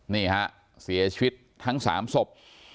นี่ฮะเสียชีวิตทั้ง๓ศพ